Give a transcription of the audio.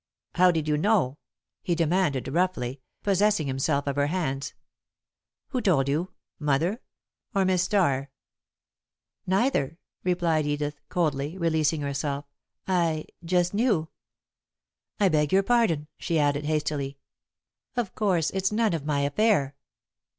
"How did you know?" he demanded, roughly, possessing himself of her hands. "Who told you Mother, or Miss Starr?" [Sidenote: Mutual Understanding] "Neither," replied Edith, coldly, releasing herself. "I just knew. I beg your pardon," she added, hastily. "Of course it's none of my affair."